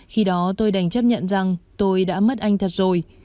khi đó tôi đành chấp nhận rằng tôi đã mất anh thật rồi